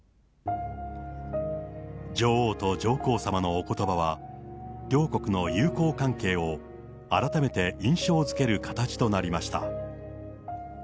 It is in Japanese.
女王と上皇さまのおことばは、両国の友好関係を改めて印象づける形となりました。